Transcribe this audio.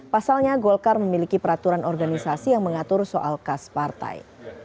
pasalnya golkar memiliki peraturan organisasi yang mengatur soal kas partai